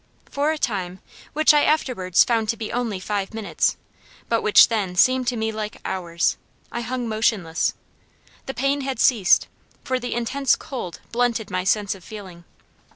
For a time, which I afterwards found to be only five minutes, but which then seemed to me like hours, I hung motionless. The pain had ceased, for the intense cold blunted my sense of feeling.